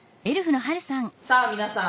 さあ皆さん